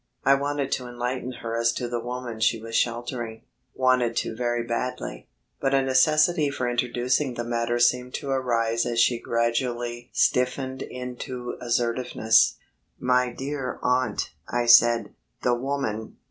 I wanted to enlighten her as to the woman she was sheltering wanted to very badly; but a necessity for introducing the matter seemed to arise as she gradually stiffened into assertiveness. "My dear aunt," I said, "the woman...."